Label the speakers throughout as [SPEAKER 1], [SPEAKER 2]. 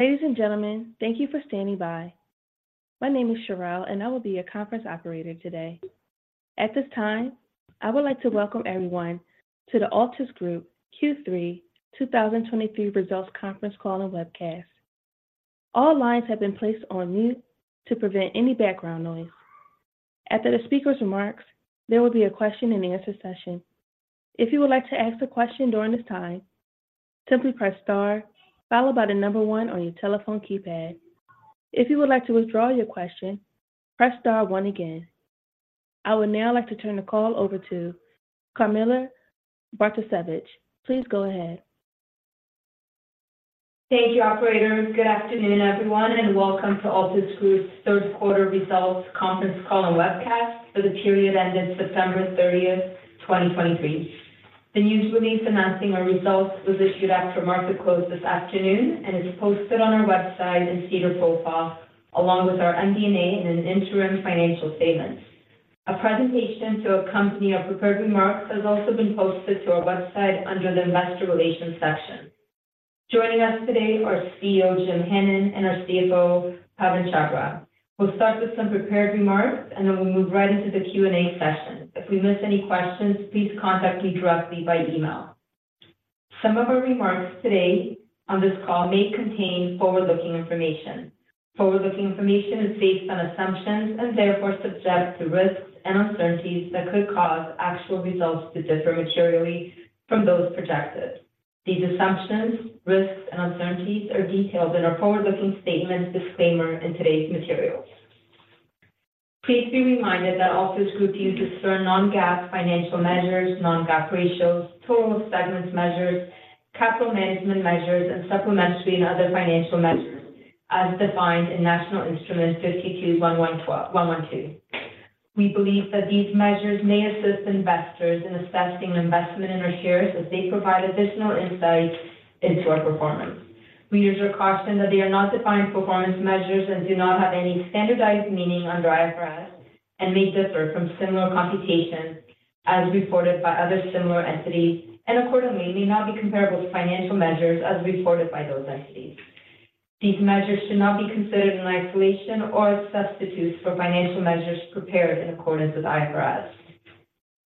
[SPEAKER 1] Ladies and gentlemen, thank you for standing by. My name is Shirelle, and I will be your conference operator today. At this time, I would like to welcome everyone to the Altus Group Q3 2023 Results Conference Call and Webcast. All lines have been placed on mute to prevent any background noise. After the speaker's remarks, there will be a question-and-answer session. If you would like to ask a question during this time, simply press * followed by the number 1 on your telephone keypad. If you would like to withdraw your question, press * 1 again. I would now like to turn the call over to Camilla Bartosiewicz. Please go ahead.
[SPEAKER 2] Thank you, operator. Good afternoon, everyone, and welcome to Altus Group's third quarter results conference call and webcast for the period ended September 30, 2023. The news release announcing our results was issued after market close this afternoon and is posted on our website and SEDAR profile, along with our MD&A and an interim financial statement. A presentation to accompany our prepared remarks has also been posted to our website under the Investor Relations section. Joining us today are CEO Jim Hannon and our CFO Pawan Chhabra. We'll start with some prepared remarks, and then we'll move right into the Q&A session. If we miss any questions, please contact me directly by email. Some of our remarks today on this call may contain forward-looking information. Forward-looking information is based on assumptions and therefore subject to risks and uncertainties that could cause actual results to differ materially from those projected. These assumptions, risks, and uncertainties are detailed in our forward-looking statements disclaimer in today's materials. Please be reminded that Altus Group uses certain non-GAAP financial measures, non-GAAP ratios, total segment measures, capital management measures, and supplementary and other financial measures as defined in National Instrument 52-112. We believe that these measures may assist investors in assessing investment in our shares as they provide additional insight into our performance. We use a caution that they are not defined performance measures and do not have any standardized meaning under IFRS and may differ from similar computations as reported by other similar entities, and accordingly, may not be comparable to financial measures as reported by those entities. These measures should not be considered in isolation or as substitutes for financial measures prepared in accordance with IFRS.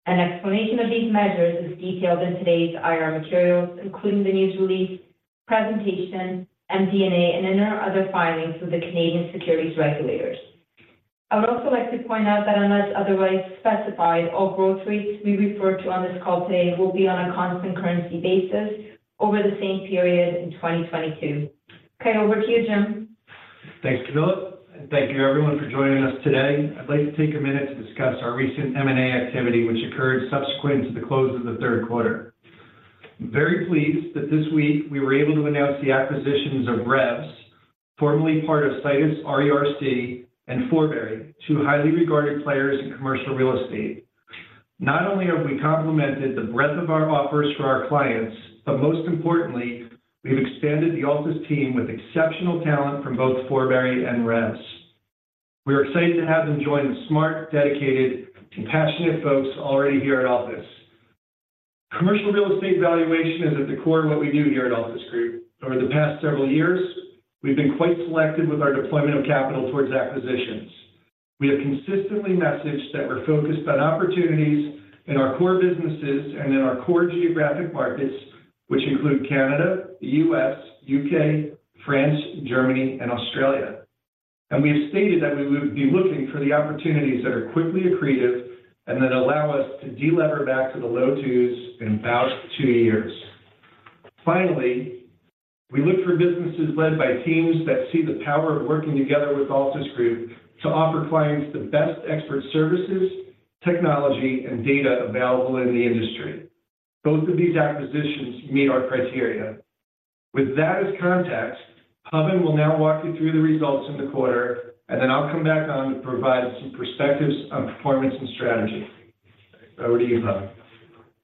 [SPEAKER 2] An explanation of these measures is detailed in today's IR materials, including the news release, presentation, MD&A, and in our other filings with the Canadian securities regulators. I would also like to point out that unless otherwise specified, all growth rates we refer to on this call today will be on a constant currency basis over the same period in 2022. Okay, over to you, Jim.
[SPEAKER 3] Thanks, Camilla, and thank you everyone for joining us today. I'd like to take a minute to discuss our recent M&A activity, which occurred subsequent to the close of the third quarter. I'm very pleased that this week we were able to announce the acquisitions of REVS, formerly part of CBRE's RERC and Forbury, two highly regarded players in commercial real estate. Not only have we complemented the breadth of our offers for our clients, but most importantly, we've expanded the Altus team with exceptional talent from both Forbury and REVS. We are excited to have them join the smart, dedicated, compassionate folks already here at Altus. Commercial real estate valuation is at the core of what we do here at Altus Group. Over the past several years, we've been quite selective with our deployment of capital towards acquisitions. We have consistently messaged that we're focused on opportunities in our core businesses and in our core geographic markets, which include Canada, U.S., U.K., France, Germany, and Australia. We have stated that we would be looking for the opportunities that are quickly accretive and that allow us to delever back to the low twos in about two years. Finally, we look for businesses led by teams that see the power of working together with Altus Group to offer clients the best expert services, technology, and data available in the industry. Both of these acquisitions meet our criteria. With that as context, Pawan will now walk you through the results in the quarter, and then I'll come back on to provide some perspectives on performance and strategy. Over to you, Pawan.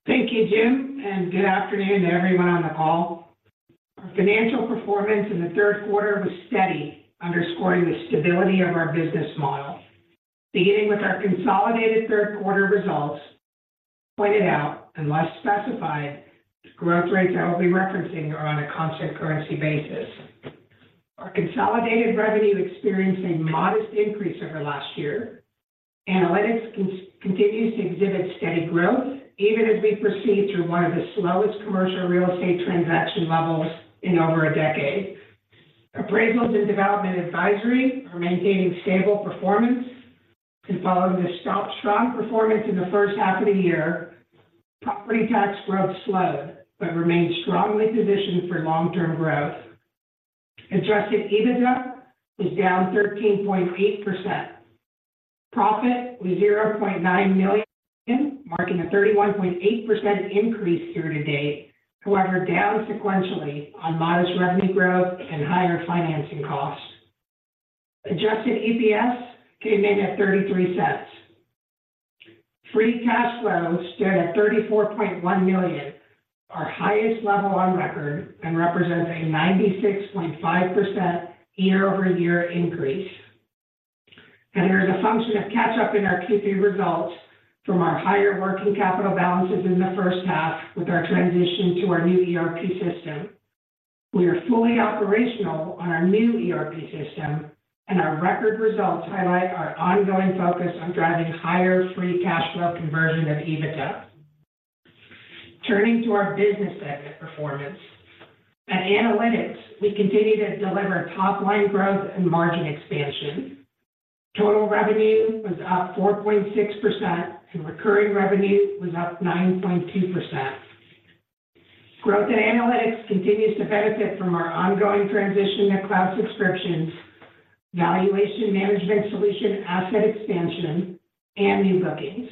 [SPEAKER 4] Thank you, Jim, and good afternoon to everyone on the call. Our financial performance in the third quarter was steady, underscoring the stability of our business model. Beginning with our consolidated third quarter results, pointed out, unless specified, growth rates I will be referencing are on a constant currency basis. Our consolidated revenue experienced a modest increase over last year. Analytics continues to exhibit steady growth, even as we proceed through one of the slowest commercial real estate transaction levels in over a decade. Appraisals and Development Advisory are maintaining stable performance. Following the strong performance in the first half of the year, property tax growth slowed, but remains strongly positioned for long-term growth. Adjusted EBITDA is down 13.8%. Profit was 0.9 million, marking a 31.8% increase year-to-date; however, down sequentially on modest revenue growth and higher financing costs. Adjusted EPS came in at 0.33. Free cash flow stood at 34.1 million, our highest level on record, and represents a 96.5% year-over-year increase, and there is a function of catch-up in our Q3 results from our higher working capital balances in the first half with our transition to our new ERP system. We are fully operational on our new ERP system, and our record results highlight our ongoing focus on driving higher free cash flow conversion of EBITDA. Turning to our business segment performance. At Analytics, we continue to deliver top-line growth and margin expansion. Total revenue was up 4.6%, and recurring revenue was up 9.2%. Growth in analytics continues to benefit from our ongoing transition to cloud subscriptions, valuation management solution, asset expansion, and new bookings.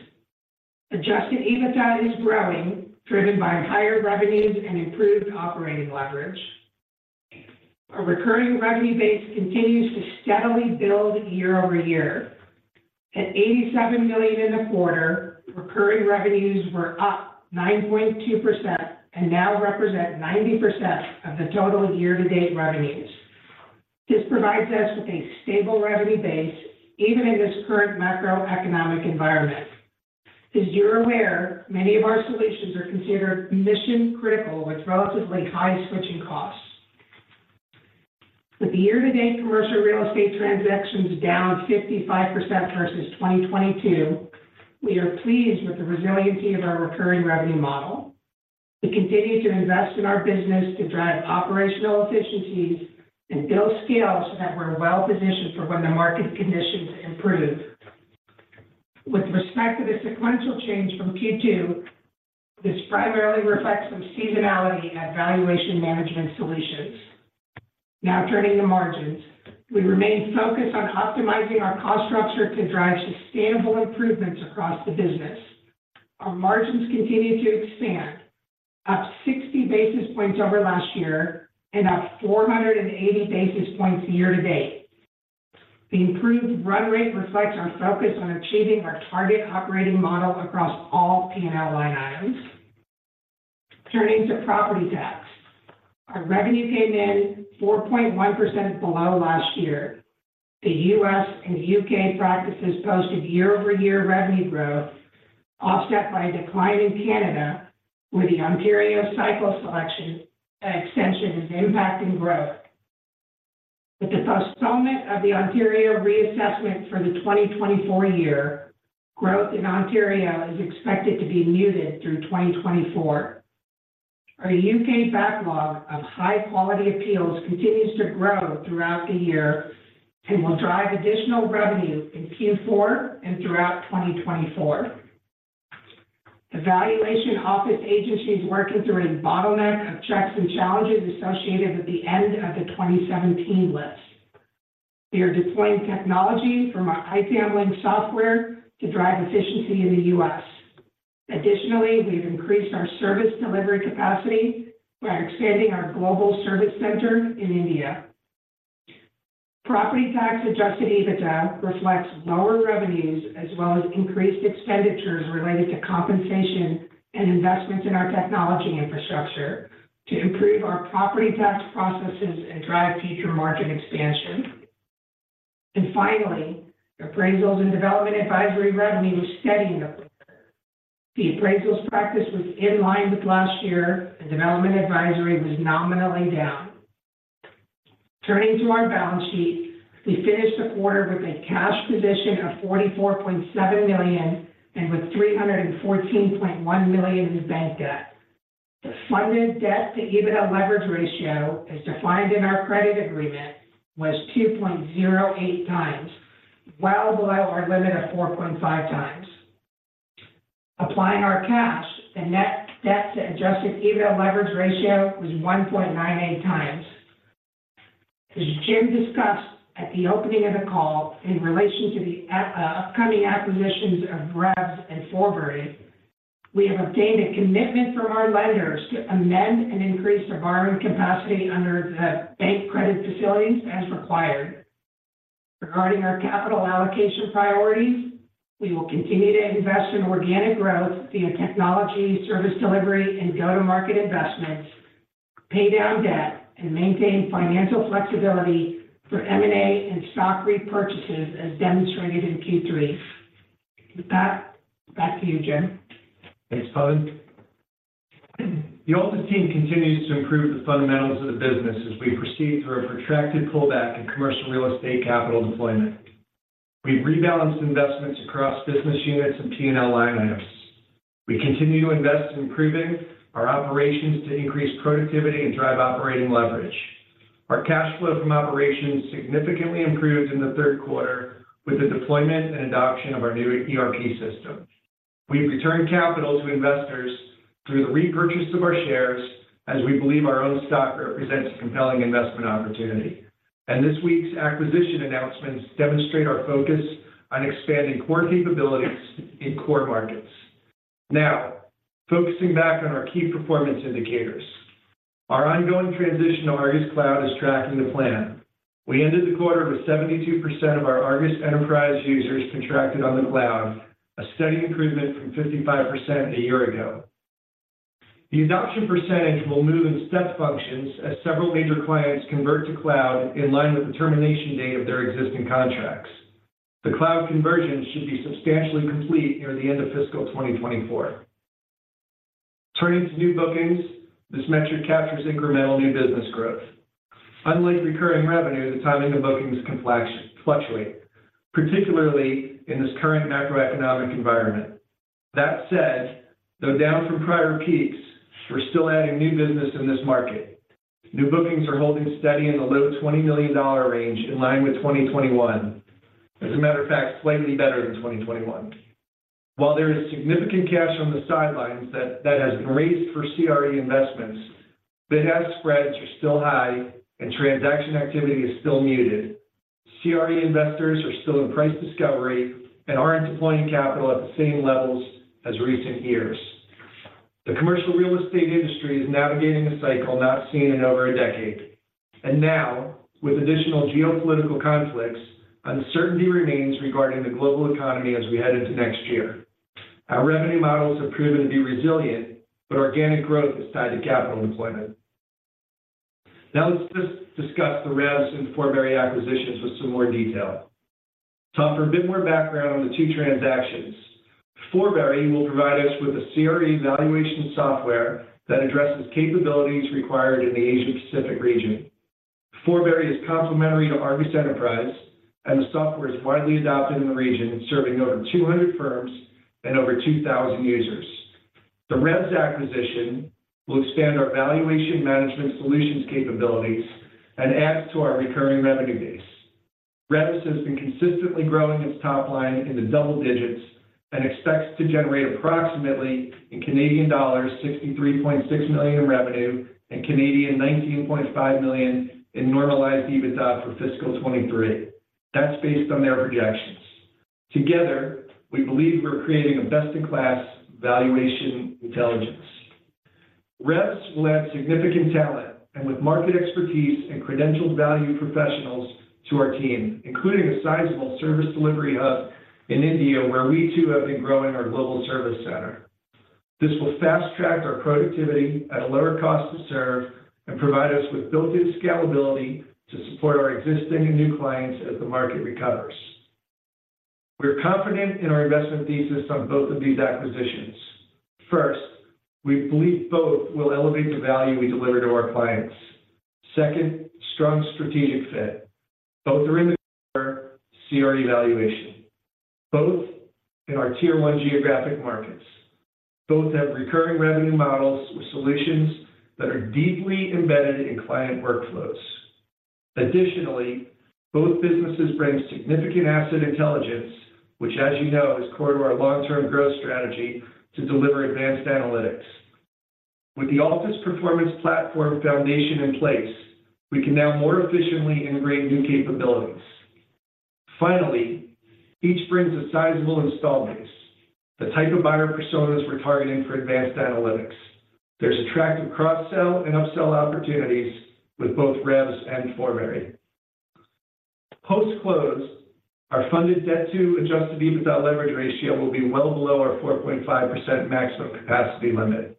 [SPEAKER 4] Adjusted EBITDA is growing, driven by higher revenues and improved operating leverage. Our recurring revenue base continues to steadily build year-over-year. At 87 million in the quarter, recurring revenues were up 9.2% and now represent 90% of the total year-to-date revenues. This provides us with a stable revenue base, even in this current macroeconomic environment. As you're aware, many of our solutions are considered mission-critical with relatively high switching costs. With the year-to-date commercial real estate transactions down 55% versus 2022, we are pleased with the resiliency of our recurring revenue model. We continue to invest in our business to drive operational efficiencies and build scale so that we're well-positioned for when the market conditions improve. With respect to the sequential change from Q2, this primarily reflects some seasonality at Valuation Management Solutions. Now turning to margins. We remain focused on optimizing our cost structure to drive sustainable improvements across the business. Our margins continue to expand, up 60 basis points over last year and up 480 basis points year to date. The improved run rate reflects our focus on achieving our target operating model across all P&L line items. Turning to property tax. Our revenue came in 4.1% below last year. The U.S. and U.K. practices posted year-over-year revenue growth, offset by a decline in Canada, where the Ontario cycle selection and extension is impacting growth. With the postponement of the Ontario reassessment for the 2024-year, growth in Ontario is expected to be muted through 2024. Our U.K. backlog of high-quality appeals continues to grow throughout the year and will drive additional revenue in Q4 and throughout 2024. The Valuation Office Agency is working through a bottleneck of checks and challenges associated with the end of the 2017 list. We are deploying technology from our Itamlink software to drive efficiency in the U.S. Additionally; we've increased our service delivery capacity by expanding our global service center in India. Property Tax Adjusted EBITDA reflects lower revenues as well as increased expenditures related to compensation and investments in our technology infrastructure to improve our Property Tax processes and drive future market expansion. And finally, Appraisals and Development Advisory revenue was steady in the quarter. The Appraisals practice was in line with last year, and development advisory was nominally down. Turning to our balance sheet, we finished the quarter with a cash position of 44.7 million and with 314.1 million in bank debt. The funded debt to EBITDA leverage ratio, as defined in our credit agreement, was 2.08 times, well below our limit of 4.5 times. Applying our cash, the net debt to adjusted EBITDA leverage ratio was 1.98 times. As Jim discussed at the opening of the call in relation to the upcoming acquisitions of REVS and Forbury, we have obtained a commitment from our lenders to amend and increase our borrowing capacity under the bank credit facilities as required. Regarding our capital allocation priorities, we will continue to invest in organic growth via technology, service delivery, and go-to-market investments, pay down debt, and maintain financial flexibility for M&A and stock repurchases, as demonstrated in Q3. With that, back to you, Jim.
[SPEAKER 3] Thanks, Pawan. The Altus team continues to improve the fundamentals of the business as we proceed through a protracted pullback in commercial real estate capital deployment. We've rebalanced investments across business units and P&L line items. We continue to invest in improving our operations to increase productivity and drive operating leverage. Our cash flow from operations significantly improved in the third quarter with the deployment and adoption of our new ERP system. We've returned capital to investors through the repurchase of our shares, as we believe our own stock represents a compelling investment opportunity. And this week's acquisition announcements demonstrate our focus on expanding core capabilities in core markets. Now, focusing back on our key performance indicators. Our ongoing transition to ARGUS Cloud is tracking the plan. We ended the quarter with 72% of our ARGUS Enterprise users contracted on the cloud, a steady improvement from 55% a year ago. The adoption percentage will move in step functions as several major clients convert to cloud in line with the termination date of their existing contracts. The cloud conversion should be substantially complete near the end of fiscal 2024. Turning to new bookings, this metric captures incremental new business growth. Unlike recurring revenue, the timing of bookings can fluctuate, particularly in this current macroeconomic environment. That said, though down from prior peaks, we're still adding new business in this market. New bookings are holding steady in the low 20 million dollar range, in line with 2021. As a matter of fact, slightly better than 2021. While there is significant cash on the sidelines that has been raised for CRE investments, bid-ask spreads are still high, and transaction activity is still muted. CRE investors are still in price discovery and aren't deploying capital at the same levels as recent years. The commercial real estate industry is navigating a cycle not seen in over a decade, and now, with additional geopolitical conflicts, uncertainty remains regarding the global economy as we head into next year. Our revenue models have proven to be resilient, but organic growth is tied to capital deployment. Now, let's just discuss the REVS and Forbury acquisitions with some more detail. So, for a bit more background on the two transactions, Forbury will provide us with a CRE valuation software that addresses capabilities required in the Asia-Pacific region. Forbury is complementary to ARGUS Enterprise, and the software is widely adopted in the region, serving over 200 firms and over 2,000 users. The REVS acquisition will expand our valuation management solutions capabilities and add to our recurring revenue base. REVS has been consistently growing its top line in the double digits and expects to generate approximately, in Canadian dollars, 63.6 million in revenue and 19.5 million in normalized EBITDA for fiscal 2023. That's based on their projections. Together, we believe we're creating a best-in-class valuation intelligence. REVS will add significant talent, and with market expertise and credentialed value professionals to our team, including a sizable service delivery hub in India, where we too have been growing our global service center. This will fast-track our productivity at a lower cost to serve and provide us with built-in scalability to support our existing and new clients as the market recovers. We're confident in our investment thesis on both of these acquisitions. First, we believe both will elevate the value we deliver to our clients. Second, strong strategic fit. Both are in the CRE valuation. Both in our tier-one geographic markets. Both have recurring revenue models with solutions that are deeply embedded in client workflows. Additionally, both businesses bring significant asset intelligence, which, as you know, is core to our long-term growth strategy to deliver advanced analytics. With the Altus Performance Platform foundation in place, we can now more efficiently integrate new capabilities. Finally, each brings a sizable install base, the type of buyer personas we're targeting for advanced analytics. There's attractive cross-sell and upsell opportunities with both REVS and Forbury. Post-close, our funded debt to Adjusted EBITDA leverage ratio will be well below our 4.5% maximum capacity limit.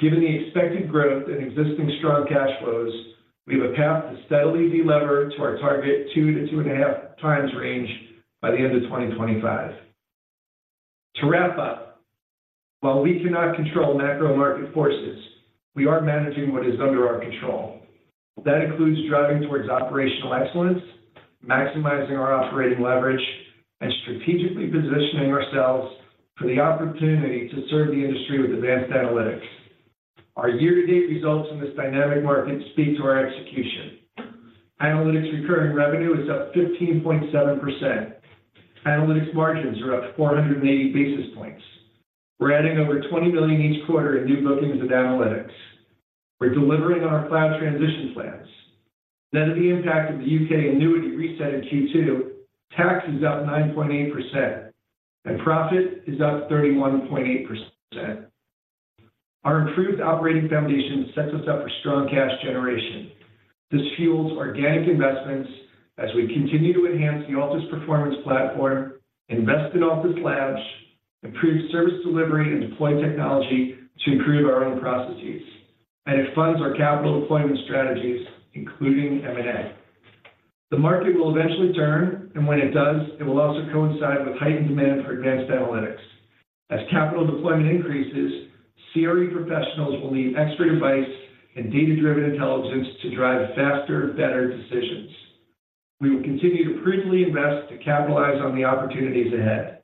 [SPEAKER 3] Given the expected growth and existing strong cash flows, we have a path to steadily de-lever to our target 2-2.5 times range by the end of 2025. To wrap up, while we cannot control macro market forces, we are managing what is under our control. That includes driving towards operational excellence, maximizing our operating leverage, and strategically positioning ourselves for the opportunity to serve the industry with advanced analytics. Our year-to-date results in this dynamic market speak to our execution. Analytics recurring revenue is up 15.7%. Analytics margins are up 480 basis points. We're adding over 20 million each quarter in new bookings of analytics. We're delivering on our cloud transition plans. Net of the impact of the U.K. annuity reset in Q2, tax is up 9.8%, and profit is up 31.8%. Our improved operating foundation sets us up for strong cash generation. This fuels organic investments as we continue to enhance the Altus Performance Platform, invest in office labs, improve service delivery, and deploy technology to improve our own processes, and it funds our capital deployment strategies, including M&A. The market will eventually turn, and when it does, it will also coincide with heightened demand for advanced analytics. As capital deployment increases, CRE professionals will need expert advice and data-driven intelligence to drive faster, better decisions. We will continue to prudently invest to capitalize on the opportunities ahead.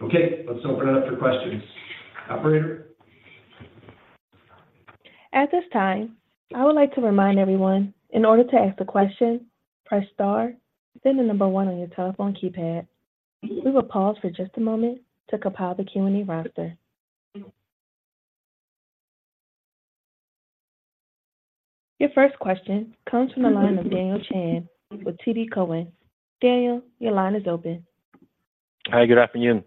[SPEAKER 3] Okay, let's open it up for questions. Operator?
[SPEAKER 1] At this time, I would like to remind everyone, in order to ask a question, press *, then the number 1 on your telephone keypad. We will pause for just a moment to compile the Q&A roster. Your first question comes from the line of Daniel Chan with TD Cowen. Daniel, your line is open.
[SPEAKER 5] Hi, good afternoon.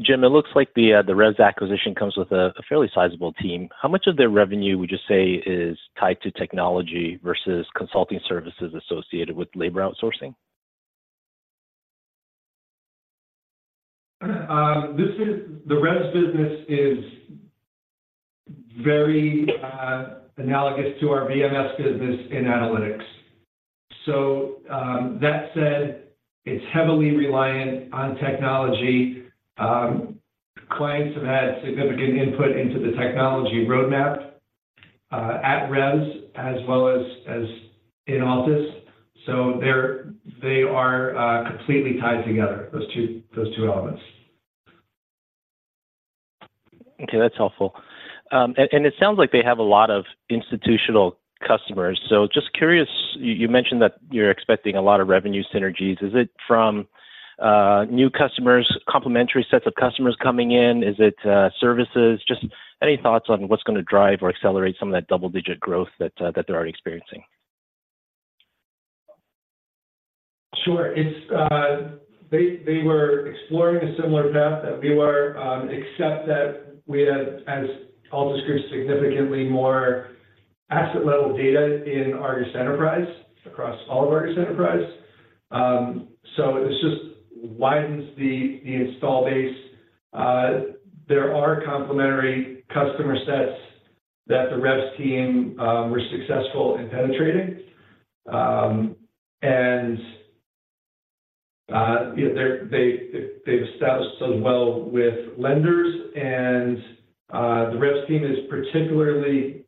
[SPEAKER 5] Jim, it looks like the REVS acquisition comes with a fairly sizable team. How much of their revenue would you say is tied to technology versus consulting services associated with labor outsourcing?
[SPEAKER 3] This is, the REVS business is very analogous to our VMS business in analytics. So, that said, it's heavily reliant on technology. Clients have had significant input into the technology roadmap at REVS as well as in Altus. So, they're—they are completely tied together, those two, those two elements.
[SPEAKER 5] Okay, that's helpful. And it sounds like they have a lot of institutional customers. So, just curious, you mentioned that you're expecting a lot of revenue synergies. Is it from new customers, complementary sets of customers coming in? Is it services? Just any thoughts on what's going to drive or accelerate some of that double-digit growth that they're already experiencing?
[SPEAKER 3] Sure. It's... They were exploring a similar path that we were, except that we had, as Altus Group, significantly more asset-level data in ARGUS Enterprise, across all of ARGUS Enterprise. So, it just widens the install base. There are complementary customer sets that the REVS team were successful in penetrating. And, yeah, they've established as well with lenders, and the REVS team is particularly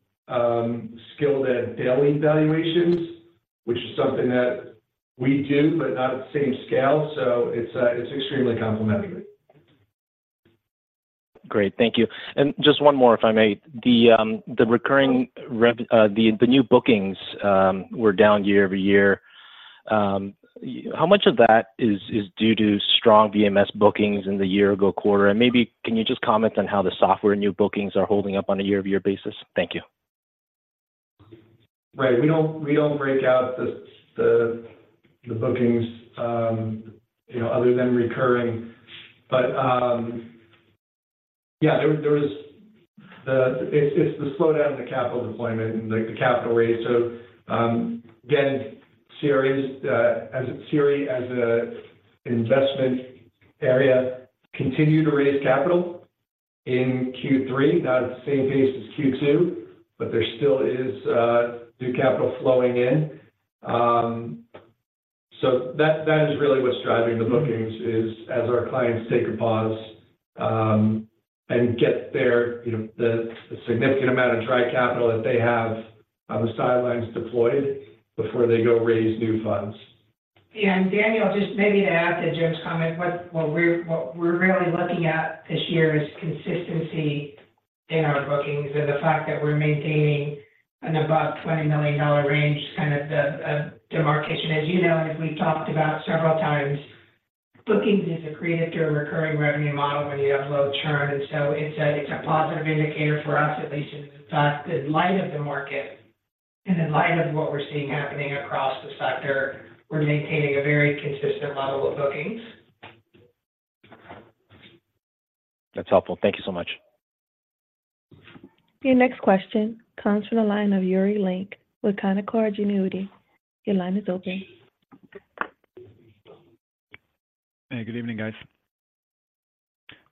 [SPEAKER 3] skilled at daily valuations, which is something that we do, but not at the same scale. So, it's extremely complementary.
[SPEAKER 5] Great. Thank you. And just one more, if I may. The new bookings were down year-over-year. How much of that is due to strong VMS bookings in the year-ago quarter? And maybe can you just comment on how the software new bookings are holding up on a year-over-year basis? Thank you.
[SPEAKER 3] Right. We don't break out the bookings, you know, other than recurring. But, yeah, there was the slowdown in the capital deployment and the capital raise. So, again, CRE as an investment area continues to raise capital in Q3, not at the same pace as Q2, but there still is new capital flowing in. So, that is really what's driving the bookings, as our clients take a pause and get there, you know, the significant amount of dry capital that they have on the sidelines deployed before they go raise new funds.
[SPEAKER 4] Yeah, and Daniel, just maybe to add to Jim's comment, what we're really looking at this year is consistency in our Bookings and the fact that we're maintaining an above 20 million dollar range, kind of the demarcation. As you know, and as we've talked about several times, Bookings is accretive to a recurring revenue model when you have low churn. And so, it's a positive indicator for us, at least in fact, in light of the market and in light of what we're seeing happening across the sector, we're maintaining a very consistent level of Bookings.
[SPEAKER 5] That's helpful. Thank you so much.
[SPEAKER 1] Your next question comes from the line of Yuri Lynk with Canaccord Genuity. Your line is open.
[SPEAKER 6] Hey, good evening, guys.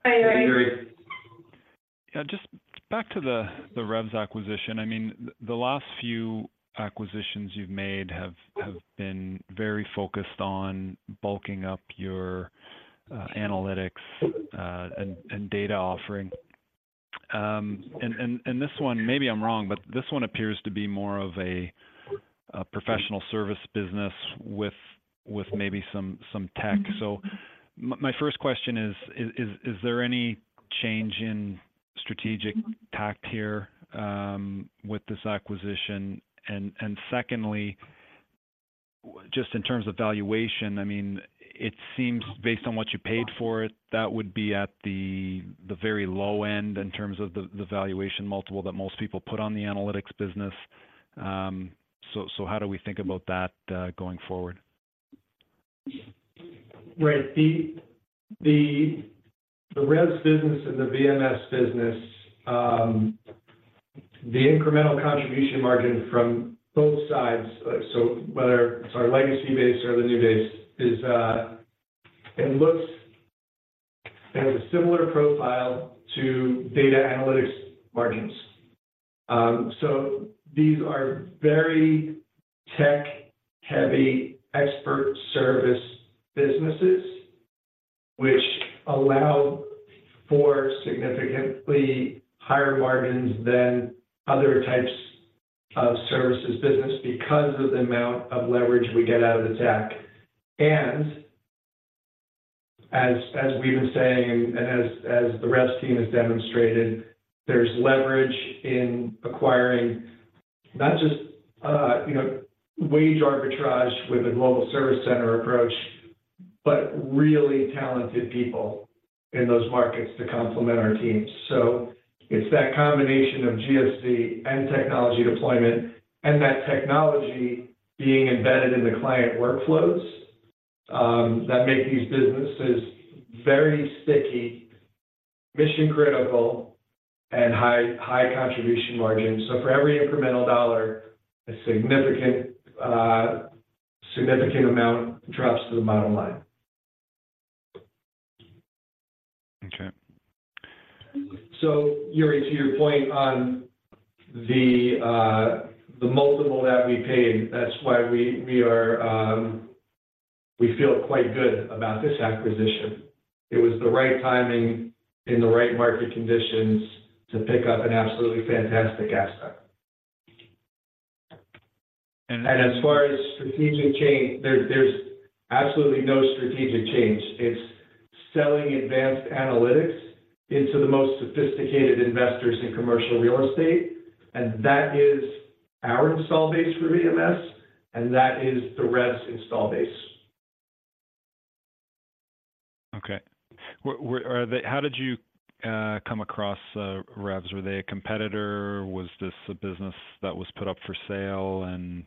[SPEAKER 4] Hi, Yuri.
[SPEAKER 3] Hi, Yuri.
[SPEAKER 6] Yeah, just back to the REVS acquisition. I mean, the last few acquisitions you've made have been very focused on bulking up your analytics and this one, maybe I'm wrong, but this one appears to be more of a professional service business with maybe some tech. So, my first question is, is there any change in strategic tact here with this acquisition? And secondly, just in terms of valuation, I mean, it seems based on what you paid for it, that would be at the very low end in terms of the valuation multiple that most people put on the analytics business. So, how do we think about that going forward?
[SPEAKER 3] Right. The REVS business and the VMS business, the incremental contribution margin from both sides, so, whether it's our legacy base or the new base, is, it looks... It has a similar profile to data analytics margins. So, these are very tech-heavy expert service businesses, which allow for significantly higher margins than other types of services business because of the amount of leverage we get out of the tech. And as we've been saying, and as the REVS team has demonstrated, there's leverage in acquiring not just, you know, wage arbitrage with a global service center approach, but really talented people in those markets to complement our teams. So, it's that combination of GSC and technology deployment, and that technology being embedded in the client workflows, that make these businesses very sticky.... mission critical and high, high contribution margin. So, for every incremental dollar, a significant, significant amount drops to the bottom line.
[SPEAKER 6] Okay.
[SPEAKER 3] So Yuri, to your point on the, the multiple that we paid, that's why we, we are, we feel quite good about this acquisition. It was the right timing and the right market conditions to pick up an absolutely fantastic asset. And as far as strategic change, there's, there's absolutely no strategic change. It's selling advanced analytics into the most sophisticated investors in commercial real estate, and that is our install base for VMS, and that is the REVS install base.
[SPEAKER 6] Okay. Are they— How did you come across REVS? Were they a competitor? Was this a business that was put up for sale, and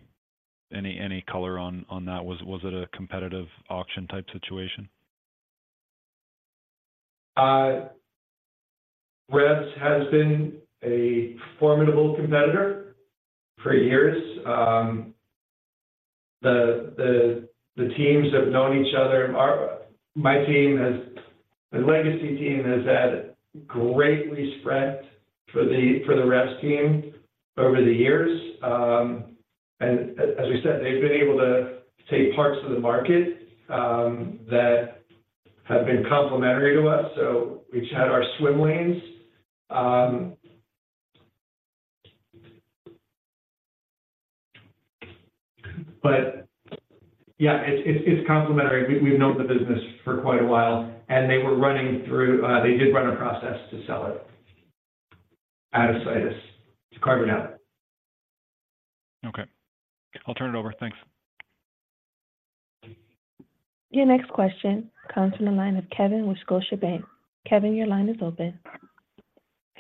[SPEAKER 6] any color on that? Was it a competitive auction-type situation?
[SPEAKER 3] REVS has been a formidable competitor for years. The teams have known each other. My team has the legacy team has had great respect for the REVS team over the years. And as we said, they've been able to take parts of the market that have been complementary to us so, we've had our swim lanes. But yeah, it's complementary. We've known the business for quite a while, and they were running through, they did run a process to sell it out of Situs It's carve-out.
[SPEAKER 6] Okay. I'll turn it over. Thanks.
[SPEAKER 1] Your next question comes from the line of Kevin with Scotiabank. Kevin, your line is open.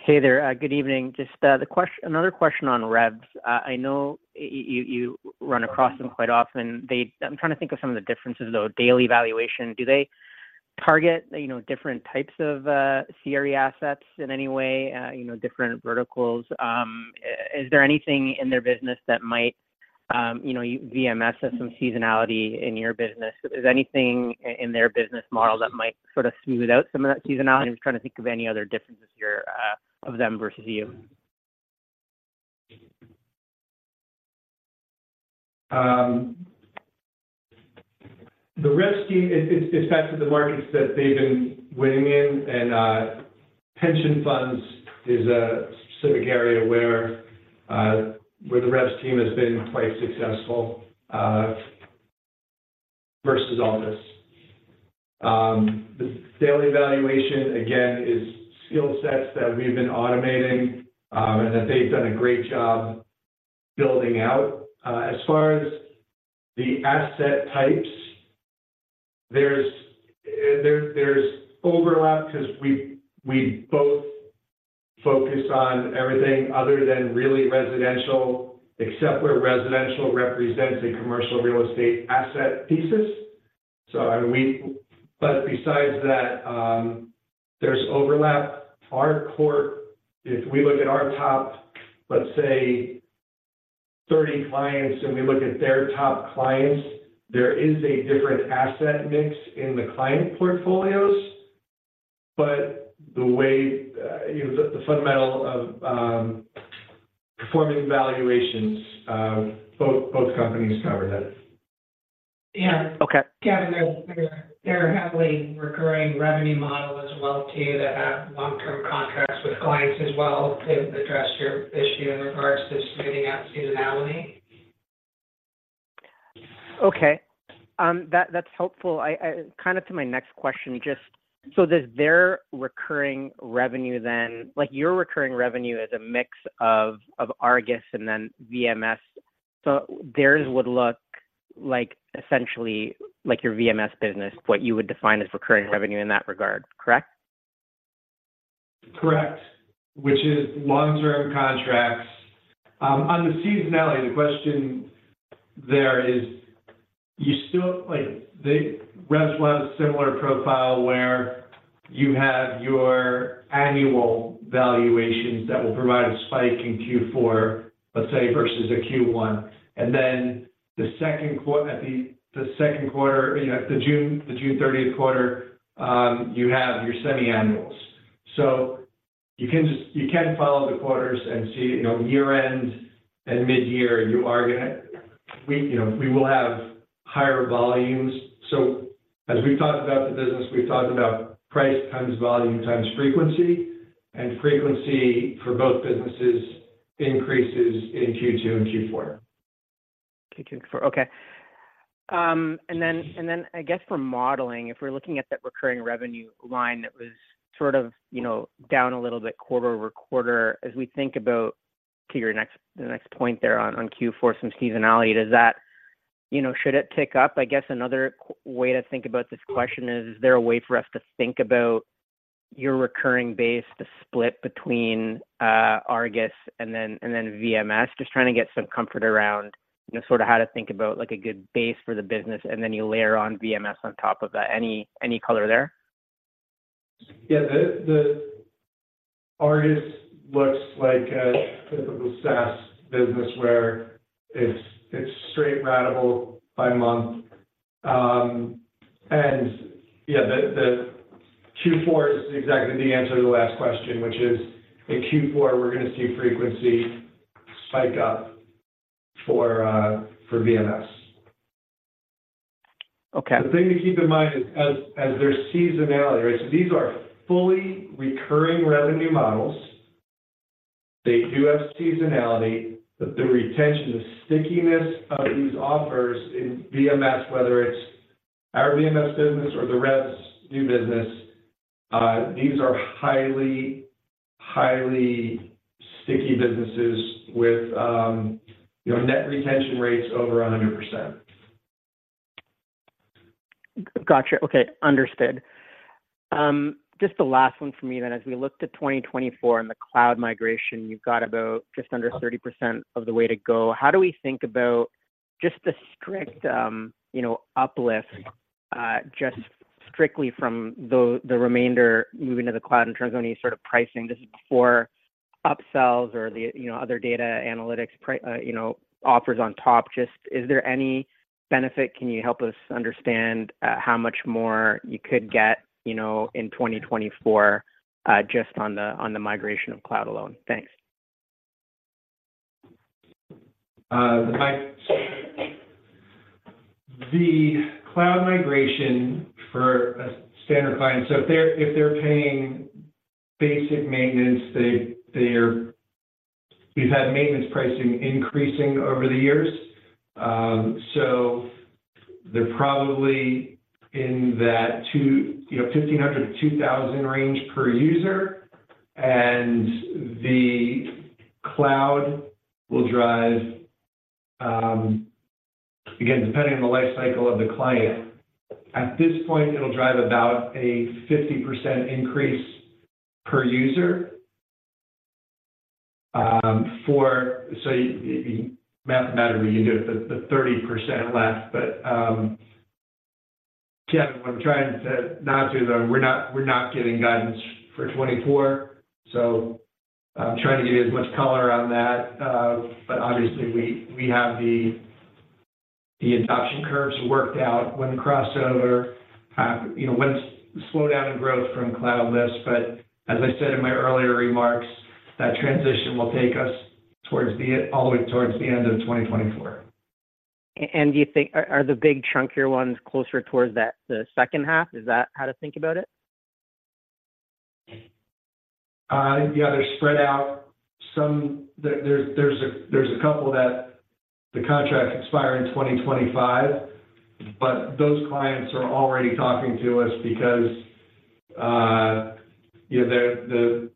[SPEAKER 7] Hey there. Good evening. Just the question, another question on REVS. I know you run across them quite often. They. I'm trying to think of some of the differences, though. Daily valuation, do they target, you know, different types of CRE assets in any way, you know, different verticals? Is there anything in their business that might... You know, VMS has some seasonality in your business. Is there anything in their business model that might sort of smooth out some of that seasonality? I'm just trying to think of any other differences here, of them versus you.
[SPEAKER 3] The REVS team, it's effective the markets that they've been winning in, and pension funds is a specific area where the REVS team has been quite successful, versus all this. The daily valuation, again, is skill sets that we've been automating, and that they've done a great job building out. As far as the asset types, there's overlap 'cause we both focus on everything other than really residential, except where residential represents a commercial real estate asset thesis. So, I mean, but besides that, there's overlap. Our core, if we look at our top, let's say, 30 clients, and we look at their top clients, there is a different asset mix in the client portfolios, but the way, you know, the fundamental of performing valuations, both companies cover that.
[SPEAKER 7] Yeah. Okay.
[SPEAKER 3] Kevin, they're a heavily recurring revenue model as well, too, that have long-term contracts with clients as well, to address your issue in regards to smoothing out seasonality.
[SPEAKER 7] Okay, that, that's helpful. I—Kind of to my next question, just so does their recurring revenue then—Like, your recurring revenue is a mix of ARGUS and then VMS. So, theirs would look like, essentially, like your VMS business, what you would define as recurring revenue in that regard, correct?
[SPEAKER 3] Correct, which is long-term contracts. On the seasonality, the question there is, you still—like, the REVS was a similar profile where you have your annual valuations that will provide a spike in Q4, let's say, versus a Q1. And then the second quarter, you know, the June thirtieth quarter, you have your semi-annuals. So, you can follow the quarters and see, you know, year-end and mid-year, you are gonna...We, you know, we will have higher volumes. So, as we've talked about the business, we've talked about price times volume times frequency, and frequency for both businesses increases in Q2 and Q4.
[SPEAKER 7] Q2 and Q4. Okay. And then, and then I guess for modeling, if we're looking at that recurring revenue line that was sort of, you know, down a little bit quarter-over-quarter, as we think about, to your next, the next point there on, on Q4, some seasonality, does that? You know, should it tick up? I guess another way to think about this question is, is there a way for us to think about your recurring base, the split between, ARGUS and then, and then VMS? Just trying to get some comfort around, you know, sort of how to think about, like, a good base for the business, and then you layer on VMS on top of that. Any color there?...
[SPEAKER 3] Yeah, the ARGUS looks like a typical SaaS business where it's straight ratable by month. And yeah, the Q4 is exactly the answer to the last question, which is in Q4, we're going to see frequency spike up for VMS.
[SPEAKER 7] Okay.
[SPEAKER 3] The thing to keep in mind is, as there's seasonality, right? So, these are fully recurring revenue models. They do have seasonality, but the retention, the stickiness of these offers in VMS, whether it's our VMS business or the REVS new business, these are highly, highly sticky businesses with, you know, net retention rates over 100%.
[SPEAKER 7] Got you. Okay, understood. Just the last one for me then. As we looked at 2024 and the cloud migration, you've got about just under 30% of the way to go. How do we think about just the strict, you know, uplift, just strictly from the, the remainder moving to the cloud in terms of any sort of pricing, just before upsells or the, you know, other data analytics pri-, you know, offers on top? Just is there any benefit? Can you help us understand, how much more you could get, you know, in 2024, just on the, on the migration of cloud alone? Thanks.
[SPEAKER 3] The cloud migration for a standard client. So, if they're paying basic maintenance, they are. We've had maintenance pricing increasing over the years. So, they're probably in that 2, you know, 1,500-2,000 range per user, and the cloud will drive, again, depending on the life cycle of the client, at this point, it'll drive about a 50% increase per user. So mathematically, you can do it, the 30% less. But, Kevin, I'm trying to not do the, we're not giving guidance for 2024, so, I'm trying to give you as much color on that. But obviously, we have the adoption curves worked out when crossover, you know, when it's slowdown in growth from cloudless. But as I said in my earlier remarks, that transition will take us towards the, all the way towards the end of 2024.
[SPEAKER 7] Do you think the big chunkier ones are closer towards that, the second half? Is that how to think about it?
[SPEAKER 3] Yeah, they're spread out. Some there, there's a couple that the contract expires in 2025, but those clients are already talking to us because, you know,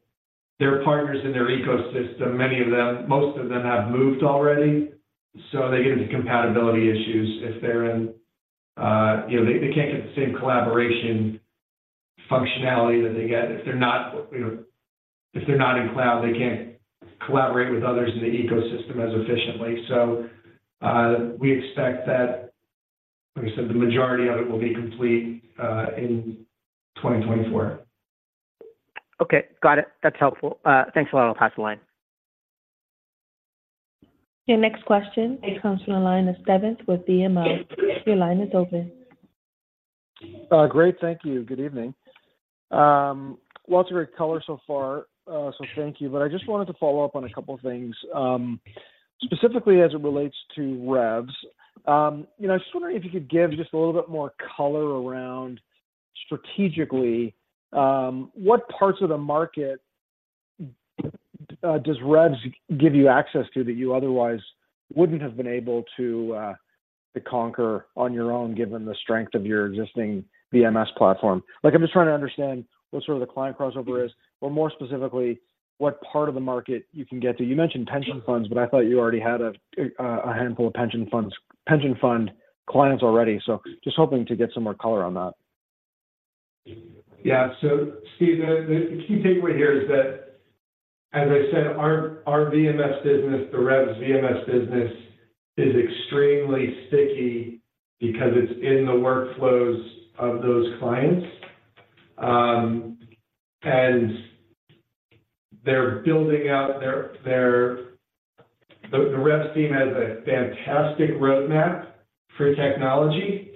[SPEAKER 3] their partners in their ecosystem, many of them, most of them have moved already, so they get into compatibility issues. If they're in, you know, they can't get the same collaboration functionality that they get. If they're not, you know, if they're not in cloud, they can't collaborate with others in the ecosystem as efficiently. So, we expect that, like I said, the majority of it will be complete in 2024.
[SPEAKER 7] Okay, got it. That's helpful. Thanks a lot. I'll pass the line.
[SPEAKER 1] Your next question comes from the line of Stephen with BMO. Your line is open.
[SPEAKER 8] Great, thank you. Good evening. Lots of great color so far, so thank you. But I just wanted to follow up on a couple of things, specifically as it relates to REVS. You know, I was just wondering if you could give just a little bit more color around strategically, what parts of the market does REVS give you access to that you otherwise wouldn't have been able to conquer on your own, given the strength of your existing VMS platform? Like, I'm just trying to understand what sort of the client crossover is, or more specifically, what part of the market you can get to. You mentioned pension funds, but I thought you already had a handful of pension funds, pension fund clients already. So, just hoping to get some more color on that.
[SPEAKER 3] Yeah. So, Steve, the key takeaway here is that, as I said, our VMS business, the REVS VMS business, is extremely sticky because it's in the workflows of those clients. And they're building out there, the REVS team has a fantastic roadmap for technology,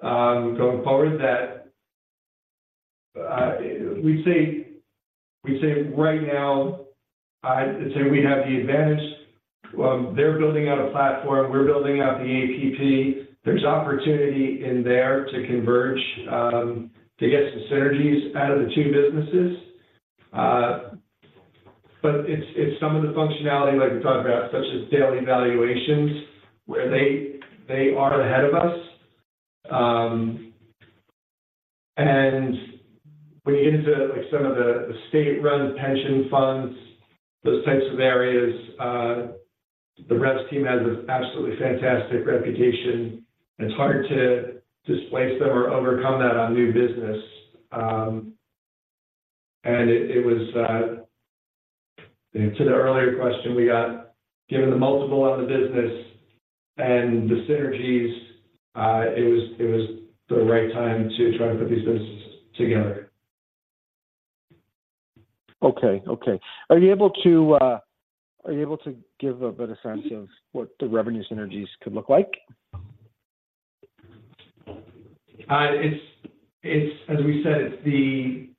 [SPEAKER 3] going forward that we say, we say right now, I'd say we have the advantage. They're building out a platform, we're building out the APP. There's opportunity in there to converge, to get some synergies out of the two businesses. But it's some of the functionality like we talked about, such as daily valuations, where they are ahead of us. And when you get into, like, some of the state-run pension funds, those types of areas, the REVS team has an absolutely fantastic reputation. It's hard to displace them or overcome that on new business. And it, it was. To the earlier question, we got, given the multiple on the business and the synergies, it was, it was the right time to try to put these businesses together.
[SPEAKER 8] Okay. Are you able to give a better sense of what the revenue synergies could look like?
[SPEAKER 3] It's, as we said, it's the,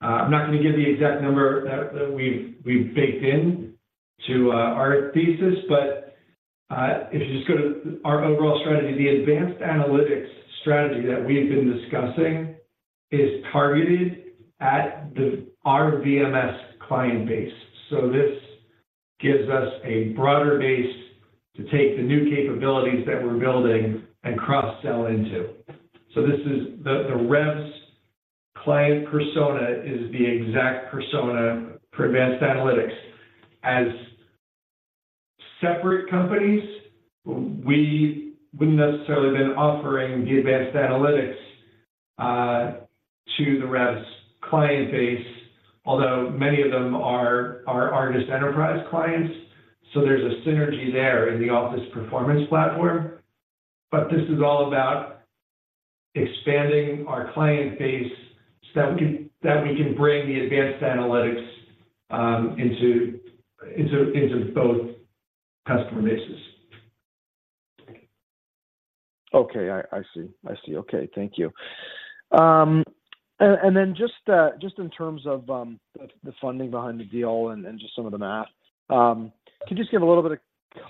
[SPEAKER 3] I'm not going to give the exact number that we've baked into our thesis, but, if you just go to our overall strategy, the advanced analytics strategy that we've been discussing is targeted at the—our VMS client base. So, this gives us a broader base to take the new capabilities that we're building and cross-sell into. So, this is the REVS client persona is the exact persona for advanced analytics. As separate companies, we wouldn't necessarily been offering the advanced analytics to the REVS client base, although many of them are our just enterprise clients. So, there's a synergy there in the Altus Performance Platform. But this is all about expanding our client base, so that we can bring the advanced analytics into both customer bases.
[SPEAKER 8] Okay, I see. I see. Okay, thank you. And then just in terms of the funding behind the deal and just some of the math, can you just give a little bit of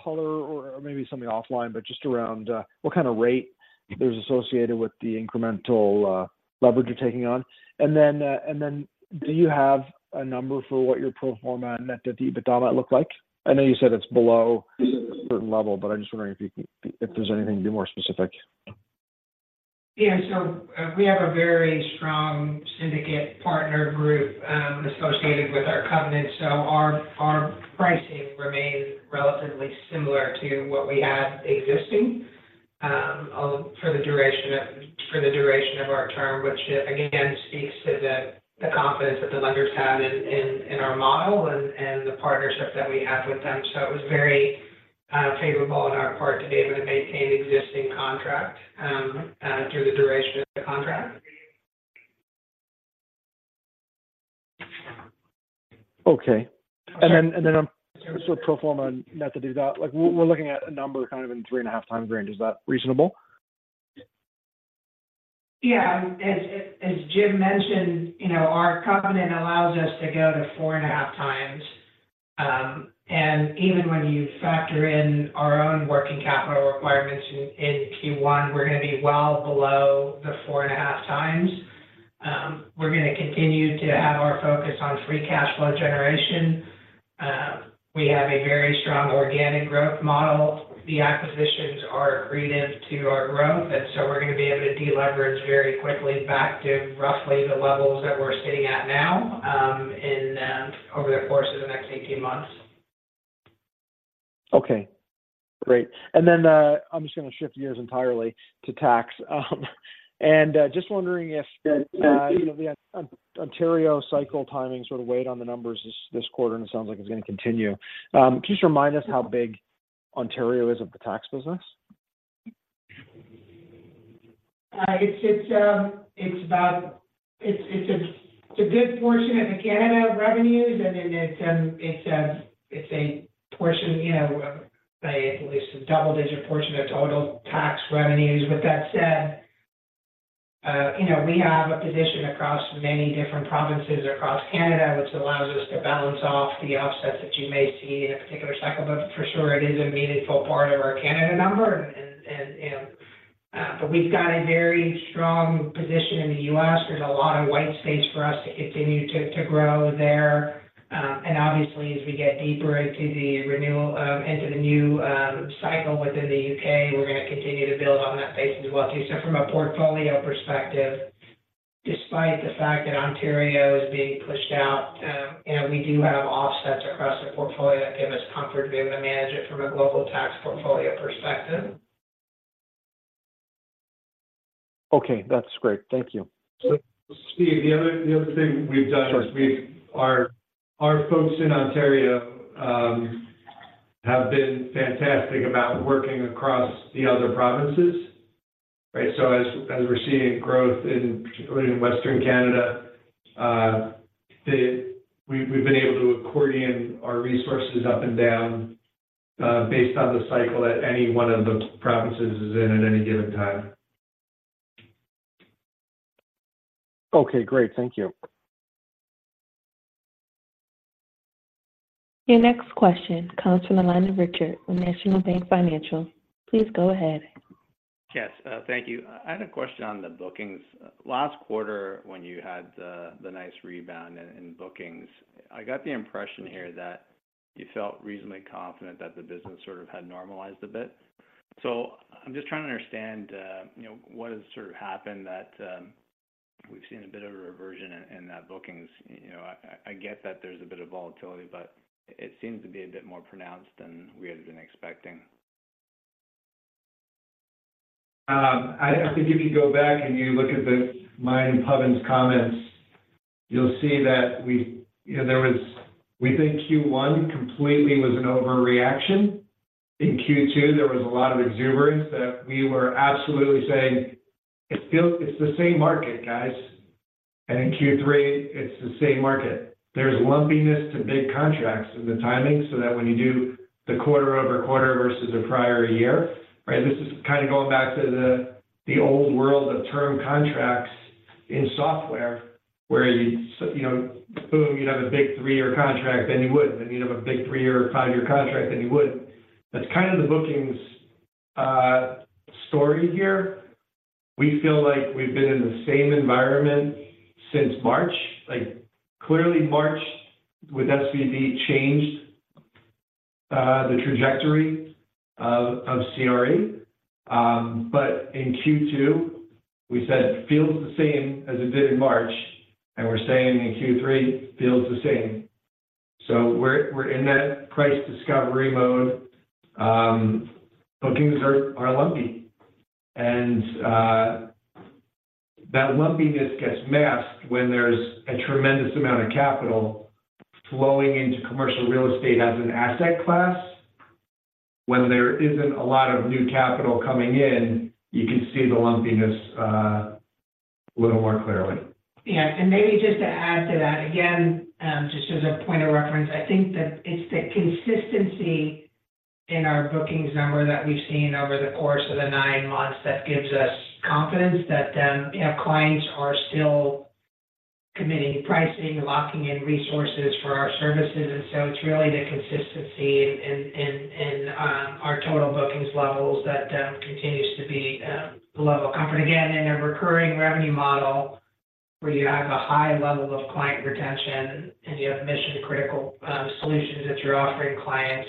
[SPEAKER 8] color or maybe something offline, but just around what kind of rate is associated with the incremental leverage you're taking on? And then do you have a number for what your pro forma net debt to EBITDA might look like? I know you said it's below a certain level, but I'm just wondering if there's anything to be more specific.
[SPEAKER 4] Yeah. So, we have a very strong syndicate partner group, associated with our covenant, so our pricing remains relatively similar to what we had existing, for the duration of our term, which again, speaks to the confidence that the lenders have in our model and the partnership that we have with them. So, it was very favorable on our part to be able to maintain existing contract through the duration of the contract.
[SPEAKER 8] Okay. And then, so pro forma and net to do that, like, we're looking at a number kind of in 3.5 times range. Is that reasonable?
[SPEAKER 4] Yeah. As Jim mentioned, you know, our covenant allows us to go to 4.5x. And even when you factor in our own working capital requirements in Q1, we're gonna be well below the 4.5x. We're gonna continue to have our focus on free cash flow generation. We have a very strong organic growth model. The acquisitions are accretive to our growth, and so we're gonna be able to deleverage very quickly back to roughly the levels that we're sitting at now, over the course of the next 18 months.
[SPEAKER 8] Okay, great. And then, I'm just gonna shift gears entirely to tax. And just wondering if, you know, the Ontario cycle timing sort of weighed on the numbers this quarter, and it sounds like it's gonna continue. Can you just remind us how big Ontario is of the tax business?
[SPEAKER 4] It's a good portion of the Canada revenues, and it's a portion, you know, say, at least a double-digit portion of total tax revenues. With that said, you know, we have a position across many different provinces across Canada, which allows us to balance off the offsets that you may see in a particular cycle. But for sure, it is a meaningful part of our Canada number. But we've got a very strong position in the U.S. There's a lot of white space for us to continue to grow there. And obviously, as we get deeper into the renewal, into the new cycle within the U.K., we're gonna continue to build on that base as well, too. From a portfolio perspective, despite the fact that Ontario is being pushed out, you know, we do have offsets across the portfolio that give us comfort to be able to manage it from a global tax portfolio perspective.
[SPEAKER 8] Okay, that's great. Thank you.
[SPEAKER 3] Steve, the other thing we've done-
[SPEAKER 8] Sure.
[SPEAKER 3] Our folks in Ontario have been fantastic about working across the other provinces, right? So, as we're seeing growth, particularly in Western Canada, we've been able to accordion our resources up and down, based on the cycle that any one of the provinces is in at any given time.
[SPEAKER 8] Okay, great. Thank you.
[SPEAKER 1] Your next question comes from the line of Richard with National Bank Financial. Please go ahead.
[SPEAKER 9] Yes, thank you. I had a question on the bookings. Last quarter, when you had the nice rebound in bookings, I got the impression here that you felt reasonably confident that the business sort of had normalized a bit. So, I'm just trying to understand, you know, what has sort of happened that we've seen a bit of a reversion in those bookings. You know, I get that there's a bit of volatility, but it seems to be a bit more pronounced than we had been expecting.
[SPEAKER 3] I think if you go back and you look at the My and Pubbin's comments, you'll see that we, you know, there was—we think Q1 completely was an overreaction. In Q2, there was a lot of exuberance that we were absolutely saying, it feels it's the same market, guys. And in Q3, it's the same market. There's lumpiness to big contracts and the timing, so, that when you do the quarter-over-quarter versus a prior year, right? This is kinda going back to the old world of term contracts in software, where you, you know, boom, you'd have a big three-year contract, then you would. Then you'd have a big three-year or five-year contract, then you would. That's kind of the bookings story here. We feel like we've been in the same environment since March. Like, clearly March with SVB changed the trajectory of CRE. But in Q2, we said, feels the same as it did in March, and we're saying in Q3, feels the same. So, we're in that price discovery mode. Bookings are lumpy, and that lumpiness gets masked when there's a tremendous amount of capital flowing into commercial real estate as an asset class. When there isn't a lot of new capital coming in, you can see the lumpiness a little more clearly.
[SPEAKER 4] Yeah, and maybe just to add to that, again, just as a point of reference, I think that it's the consistency in our bookings number that we've seen over the course of the nine months that gives us confidence that, you know, clients are still committing pricing and locking in resources for our services. And so, it's really the consistency in our total bookings levels that continues to be a level of comfort. Again, in a recurring revenue model, where you have a high level of client retention, and you have mission-critical solutions that you're offering clients,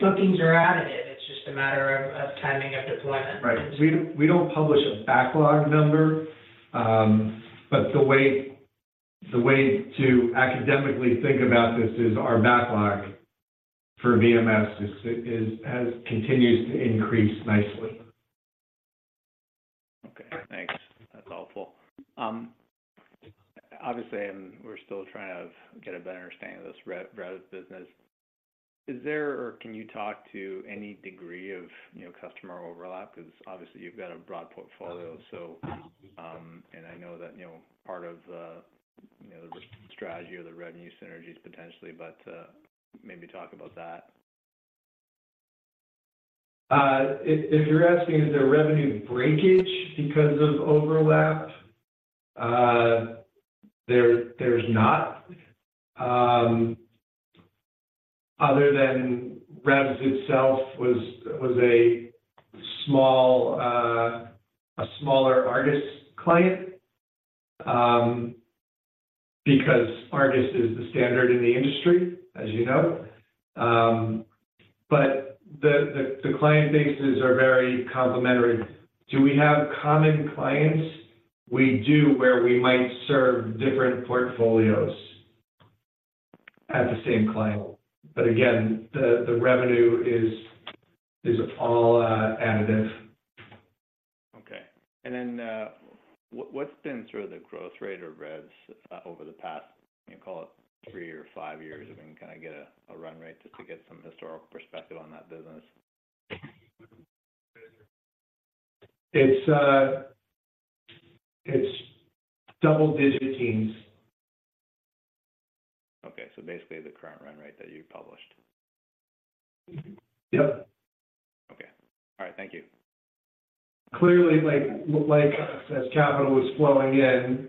[SPEAKER 4] bookings are additive. It's just a matter of timing of deployment.
[SPEAKER 3] Right. We don't publish a backlog number, but the way to academically think about this is our backlog for VMS is has continues to increase nicely.
[SPEAKER 9] Okay, thanks. That's helpful. Obviously, and we're still trying to get a better understanding of this REVS business. Is there, or can you talk to any degree of, you know, customer overlap? Because obviously, you've got a broad portfolio. So, and I know that, you know, part of, you know, the strategy or the revenue synergies, potentially, but, maybe talk about that.
[SPEAKER 3] If you're asking, is there revenue breakage because of overlap? There's not. Other than REVS itself was a small, a smaller Argus client, because Argus is the standard in the industry, as you know. But the client bases are very complementary. Do we have common clients? We do, where we might serve different portfolios at the same client. But again, the revenue is all additive.
[SPEAKER 9] Okay. And then, what, what's been sort of the growth rate of REVS over the past, you call it, three or five years? I can kinda get a run rate just to get some historical perspective on that business.
[SPEAKER 3] It's, it's double-digit teens.
[SPEAKER 9] Okay. Basically the current run rate that you've published.
[SPEAKER 3] Yep.
[SPEAKER 9] Okay. All right, thank you.
[SPEAKER 3] Clearly, like, as capital was flowing in,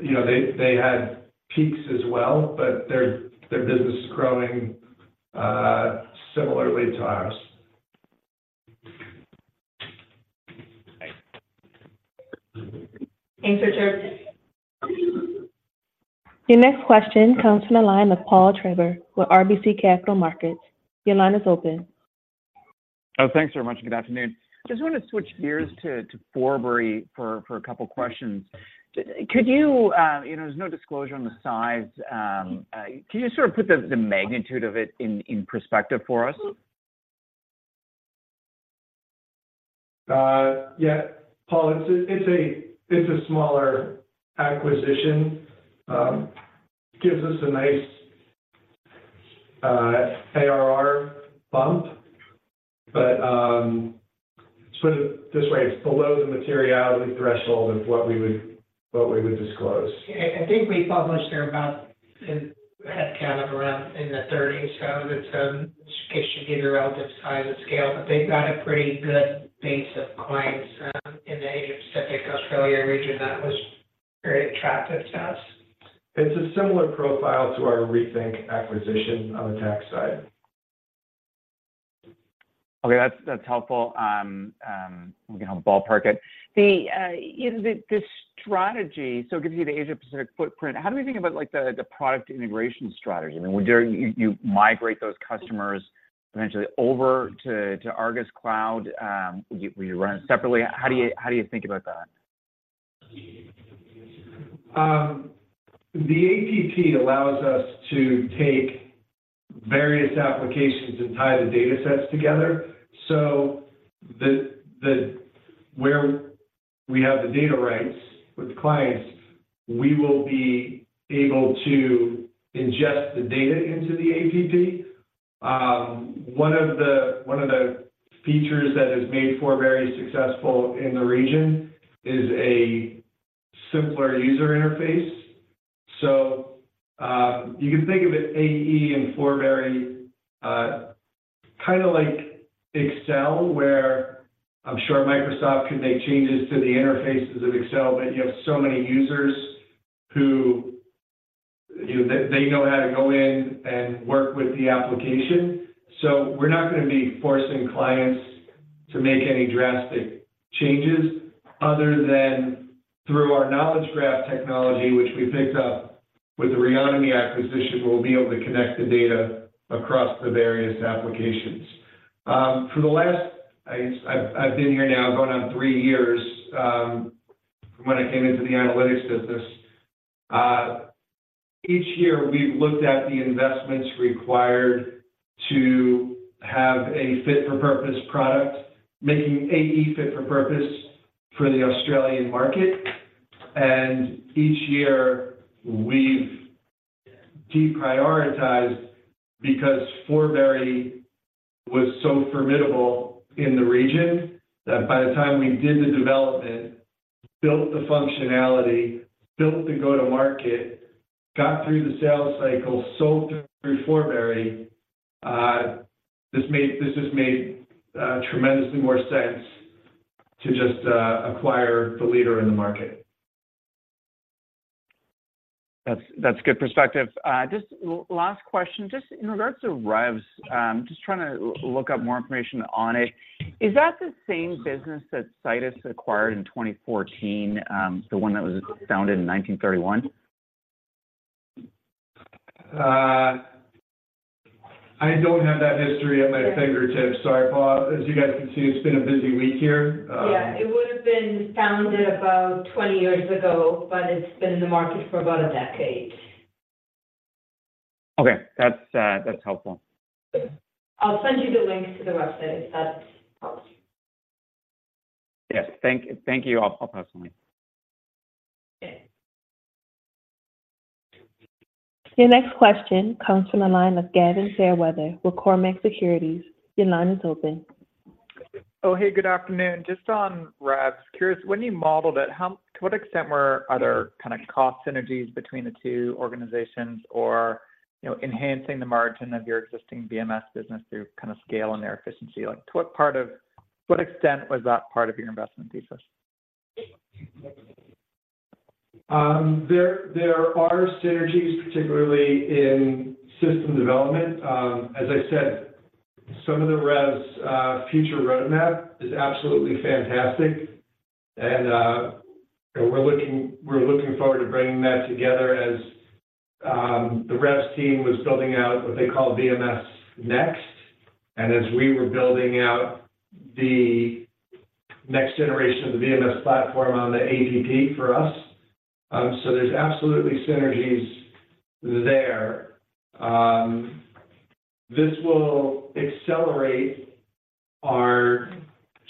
[SPEAKER 3] you know, they had peaks as well, but their business is growing similarly to ours.
[SPEAKER 9] Thanks.
[SPEAKER 4] Thanks, Richard.
[SPEAKER 1] Your next question comes from the line of Paul Treiber with RBC Capital Markets. Your line is open.
[SPEAKER 10] Oh, thanks very much, and good afternoon. Just want to switch gears to Forbury for a couple of questions. Could you... You know, there's no disclosure on the size. Can you sort of put the magnitude of it in perspective for us?
[SPEAKER 3] Yeah, Paul, it's a smaller acquisition. Gives us a nice ARR bump, but let's put it this way, it's below the materiality threshold of what we would disclose.
[SPEAKER 4] I think we published there about a headcount of around in the thirties. So, it should give you a relative size and scale, but they've got a pretty good base of clients, in the Asia-Pacific, Australia region that was very attractive to us.
[SPEAKER 3] It's a similar profile to our Rethink acquisition on the tax side.
[SPEAKER 10] Okay, that's helpful. We can have a ballpark it. You know, the strategy, so it gives you the Asia-Pacific footprint. How do we think about, like, the product integration strategy? I mean, would you migrate those customers potentially over to ARGUS Cloud? Would you run it separately? How do you think about that?...
[SPEAKER 3] The API allows us to take various applications and tie the datasets together. So, the, where we have the data rights with clients, we will be able to ingest the data into the API. One of the features that has made Forbury successful in the region is a simpler user interface. So, you can think of its AE and Forbury, kind of like Excel, where I'm sure Microsoft can make changes to the interfaces of Excel, but you have so many users who, you know, they know how to go in and work with the application. So, we're not gonna be forcing clients to make any drastic changes other than through our Knowledge Graph technology, which we picked up with the Reonomy acquisition, we'll be able to connect the data across the various applications. For the last, I've been here now going on three years, from when I came into the analytics business. Each year, we've looked at the investments required to have a fit-for-purpose product, making AE fit for purpose for the Australian market. And each year, we've deprioritized because Forbury was so, formidable in the region, that by the time we did the development, built the functionality, built the go-to-market, got through the sales cycle, sold through Forbury, this just made tremendously more sense to just acquire the leader in the market.
[SPEAKER 10] That's good perspective. Just last question, just in regards to REVS, just trying to look up more information on it. Is that the same business that Altus acquired in 2014, the one that was founded in 1931?
[SPEAKER 3] I don't have that history at my fingertips. Sorry, Paul. As you guys can see, it's been a busy week here.
[SPEAKER 4] Yeah, it would have been founded about 20 years ago, but it's been in the market for about a decade.
[SPEAKER 10] Okay. That's, that's helpful.
[SPEAKER 4] I'll send you the link to the website, if that helps.
[SPEAKER 10] Yes. Thank you. I'll pass them on.
[SPEAKER 1] Your next question comes from the line of Gavin Fairweather with Cormark Securities. Your line is open.
[SPEAKER 11] Oh, hey, good afternoon. Just on REVS, curious, when you modeled it, how to what extent were other kind of cost synergies between the two organizations or, you know, enhancing the margin of your existing VMS business through kind of scale and their efficiency? Like, to what extent was that part of your investment thesis?
[SPEAKER 3] There are synergies, particularly in system development. As I said, some of the REVS future roadmap is absolutely fantastic. And we're looking forward to bringing that together as the REVS team was building out what they call VMS Next, and as we were building out the next generation of the VMS platform on the APP for us. So, there's absolutely synergies there. This will accelerate our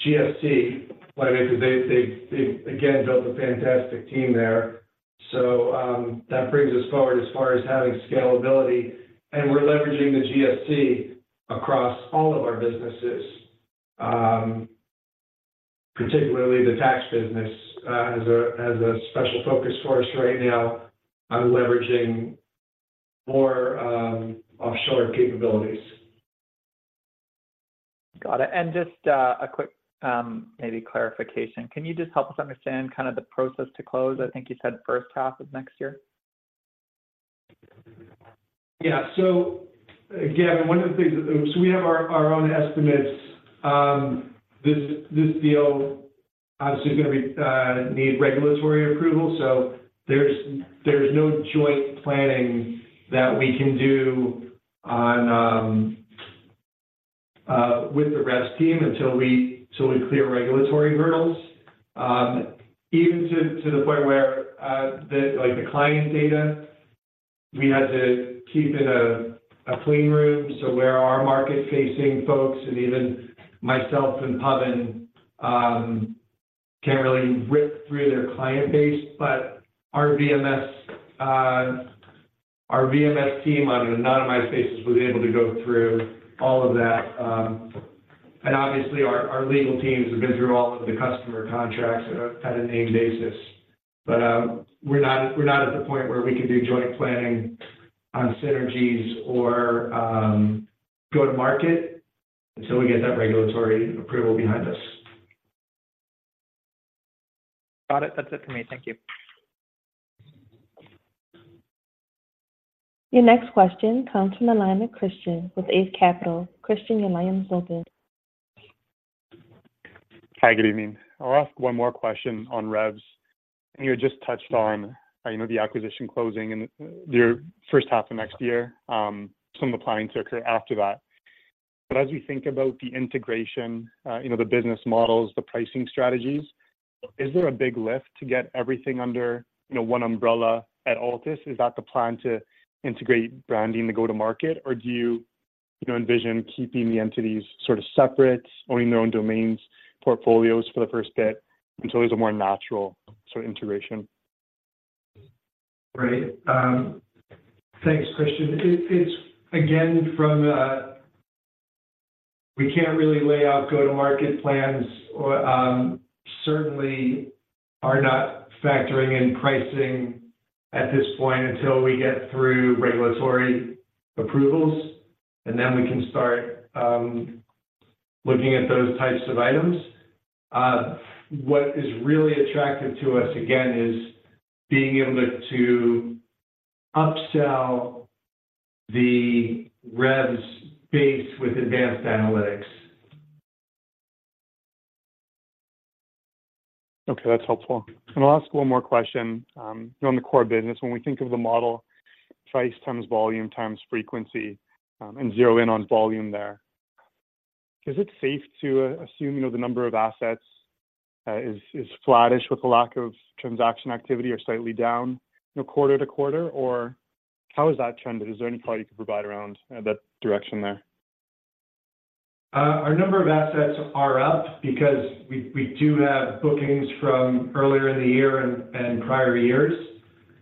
[SPEAKER 3] GSC platform because they again built a fantastic team there. So, that brings us forward as far as having scalability, and we're leveraging the GSC across all of our businesses, particularly the tax business, as a special focus for us right now on leveraging more offshore capabilities.
[SPEAKER 11] Got it. And just, a quick, maybe clarification. Can you just help us understand kind of the process to close? I think you said first half of next year.
[SPEAKER 3] Yeah. So again, one of the things... So, we have our own estimates. This deal obviously is gonna be need regulatory approval, so there's no joint planning that we can do on with the REVS team until we clear regulatory hurdles. Even to the point where, like, the client data, we had to keep in a clean room. So, where our market-facing folks, and even myself and Pawan, can't really rip through their client base. But our VMS, our VMS team, on an anonymized basis, was able to go through all of that. And obviously, our legal teams have been through all of the customer contracts at a name basis. But we're not, we're not at the point where we can do joint planning on synergies or go to market until we get that regulatory approval behind us.
[SPEAKER 11] Got it. That's it for me. Thank you.
[SPEAKER 1] Your next question comes from the line of Christian with Eight Capital. Christian, your line is open.
[SPEAKER 12] Hi, good evening. I'll ask one more question on REVS. You just touched on, you know, the acquisition closing in the, your first half of next year, some of the planning to occur after that. But as we think about the integration, you know, the business models, the pricing strategies, is there a big lift to get everything under, you know, one umbrella at Altus? Is that the plan to integrate branding to go to market, or do you, you know, envision keeping the entities sort of separate, owning their own domains, portfolios for the first bit until there's a more natural sort of integration?
[SPEAKER 3] Right. Thanks, Christian. It's again from we can't really lay out go-to-market plans or certainly are not factoring in pricing at this point until we get through regulatory approvals, and then we can start looking at those types of items. What is really attractive to us, again, is being able to upsell the REVS base with advanced analytics.
[SPEAKER 12] Okay, that's helpful. And I'll ask one more question. On the core business, when we think of the model, price times volume times frequency, and zero in on volume there, is it safe to assume, you know, the number of assets is flattish with the lack of transaction activity or slightly down, you know, quarter to quarter? Or how has that trended? Is there any clarity you could provide around that direction there?
[SPEAKER 3] Our number of assets are up because we do have bookings from earlier in the year and prior years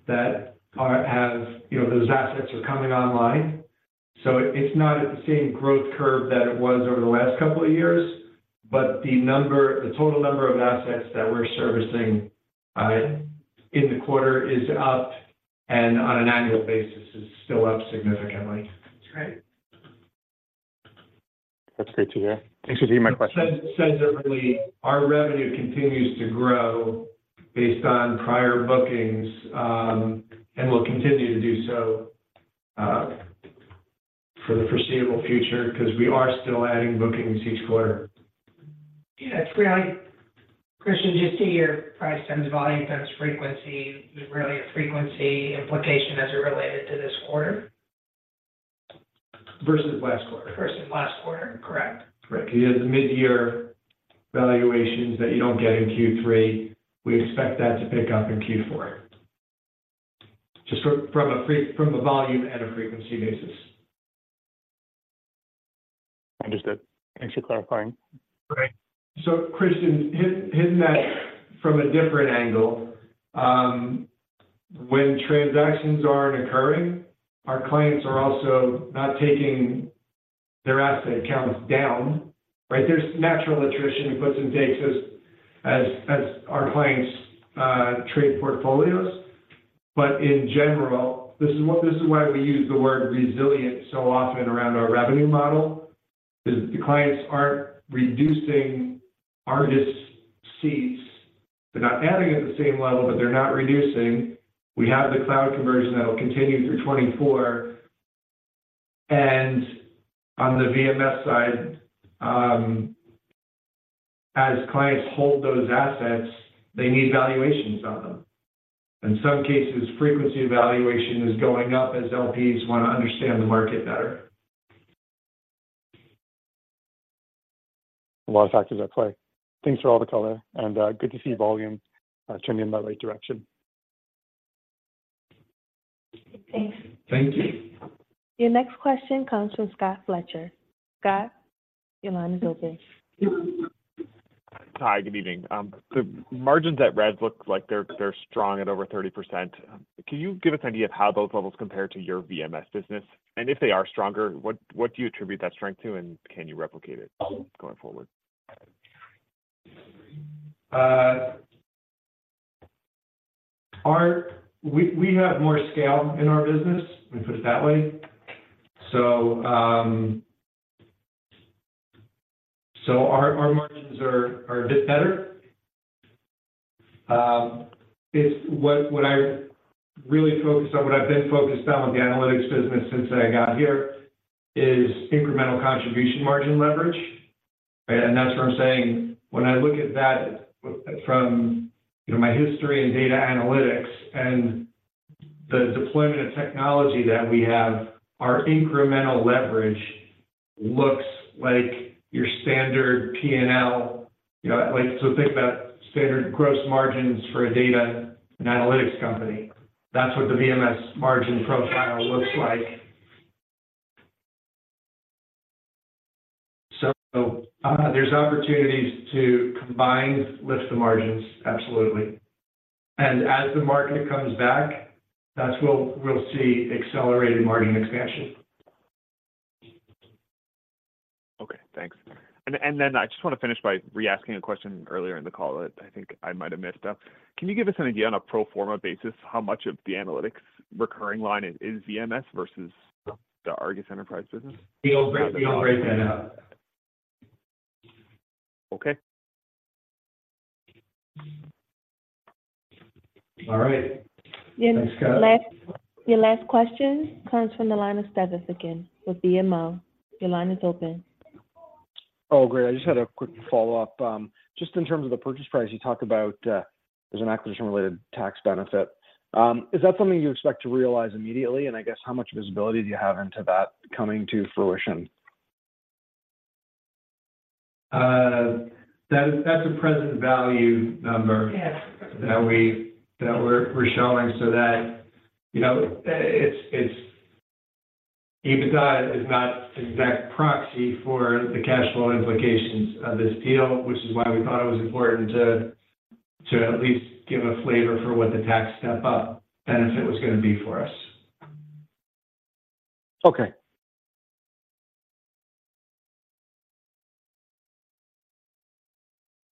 [SPEAKER 3] that have, you know, those assets are coming online. So, it's not at the same growth curve that it was over the last couple of years, but the number, the total number of assets that we're servicing in the quarter is up, and on an annual basis is still up significantly.
[SPEAKER 4] That's right.
[SPEAKER 12] That's great to hear. Thanks for taking my question.
[SPEAKER 3] Said differently, our revenue continues to grow based on prior bookings, and will continue to do so, for the foreseeable future because we are still adding bookings each quarter.
[SPEAKER 4] Yeah, it's really, Christian, just to your price times volume times frequency, there's really a frequency implication as it related to this quarter.
[SPEAKER 3] Versus last quarter.
[SPEAKER 4] Versus last quarter, correct.
[SPEAKER 3] Correct. You have the mid-year valuations that you don't get in Q3. We expect that to pick up in Q4, just from a volume and a frequency basis.
[SPEAKER 12] Understood. Thanks for clarifying.
[SPEAKER 3] Right. So, Christian, hitting that from a different angle, when transactions aren't occurring, our clients are also not taking their asset counts down, right? There's natural attrition that puts and takes as our client's trade portfolios. But in general, this is why we use the word resilient so, often around our revenue model, is the clients aren't reducing ARGUS seats. They're not adding at the same level, but they're not reducing. We have the cloud conversion that will continue through 2024. And on the VMS side, as clients hold those assets, they need valuations on them. In some cases, frequency valuation is going up as LPs want to understand the market better.
[SPEAKER 12] A lot of factors at play. Thanks for all the color, and good to see volume turning in the right direction.
[SPEAKER 4] Thanks.
[SPEAKER 3] Thank you.
[SPEAKER 1] Your next question comes from Scott Fletcher. Scott, your line is open.
[SPEAKER 13] Hi, good evening. The margins at REVS look like they're strong at over 30%. Can you give us an idea of how those levels compare to your VMS business? And if they are stronger, what do you attribute that strength to, and can you replicate it going forward?
[SPEAKER 3] We have more scale in our business, let me put it that way. So, our margins are a bit better. It's what I really focus on, what I've been focused on with the analytics business since I got here is incremental contribution margin leverage, right? And that's what I'm saying. When I look at that from, you know, my history in data analytics and the deployment of technology that we have, our incremental leverage looks like your standard PNL. You know, like, so, think about standard gross margins for a data and analytics company. That's what the VMS margin profile looks like. So, there's opportunities to combine, lift the margins, absolutely. And as the market comes back, that's when we'll see accelerated margin expansion.
[SPEAKER 13] Okay, thanks. And then I just want to finish by reasking a question earlier in the call that I think I might have missed. Can you give us an idea on a pro forma basis, how much of the analytics recurring line is VMS versus the ARGUS Enterprise business?
[SPEAKER 3] We'll break, we'll break that out.
[SPEAKER 13] Okay.
[SPEAKER 3] All right. Thanks, Scott.
[SPEAKER 1] Your last, your last question comes from the line of Stephen again with BMO. Your line is open.
[SPEAKER 8] Oh, great. I just had a quick follow-up. Just in terms of the purchase price, you talked about, there's an acquisition-related tax benefit. Is that something you expect to realize immediately? And I guess, how much visibility do you have into that coming to fruition?
[SPEAKER 3] That's a present value number-
[SPEAKER 4] Yes.
[SPEAKER 3] that we're showing so that, you know, it's EBITDA is not an exact proxy for the cash flow implications of this deal, which is why we thought it was important to at least give a flavor for what the tax step-up benefit was gonna be for us.
[SPEAKER 8] Okay.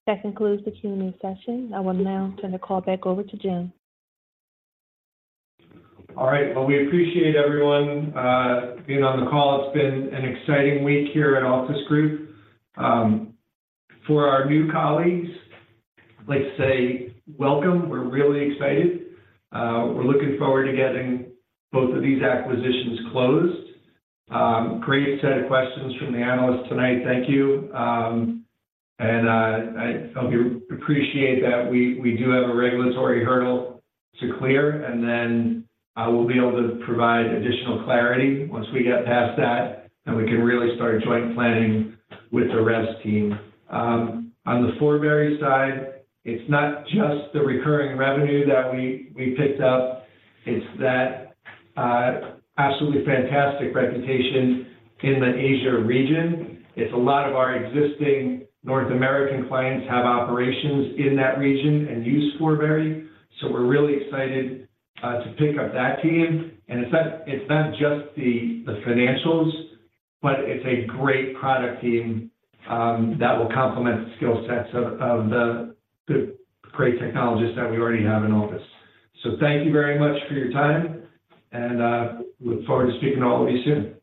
[SPEAKER 1] That concludes the Q&A session. I will now turn the call back over to Jim.
[SPEAKER 3] All right. Well, we appreciate everyone being on the call. It's been an exciting week here at Altus Group. For our new colleagues, I'd like to say welcome. We're really excited. We're looking forward to getting both of these acquisitions closed. Great set of questions from the analysts tonight. Thank you. And I hope you appreciate that we do have a regulatory hurdle to clear, and then we'll be able to provide additional clarity once we get past that, and we can really start joint planning with the REVS team. On the Forbury side, it's not just the recurring revenue that we picked up, it's that absolutely fantastic reputation in the Asia region. It's a lot of our existing North American clients have operations in that region and use Forbury, so we're really excited to pick up that team. It's not just the financials, but it's a great product team that will complement the skill sets of the great technologists that we already have in office. So, thank you very much for your time, and look forward to speaking to all of you soon.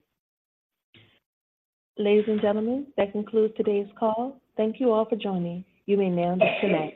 [SPEAKER 1] Ladies and gentlemen, that concludes today's call. Thank you all for joining. You may now disconnect.